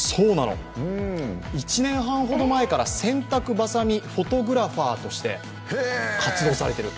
１年半程前から洗濯ばさみフォトグラフィーとして活動されている。